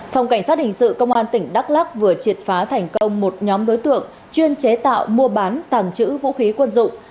phòng cảnh sát hình sự công an tỉnh đắk lắc vừa triệt phá thành công một nhóm đối tượng chuyên chế tạo mua bán tàng trữ vũ khí quân dụng